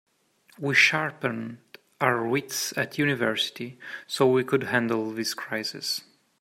We sharpened our wits at university so we could handle this crisis.